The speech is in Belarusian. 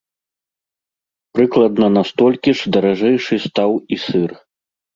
Прыкладна на столькі ж даражэйшы стаў і сыр.